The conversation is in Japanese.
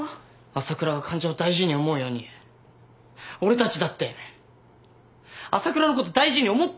朝倉が患者を大事に思うように俺たちだって朝倉のこと大事に思ってんだよ！